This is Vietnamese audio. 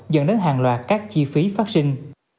dẫn đến hàng loạt các chi phí phát sinh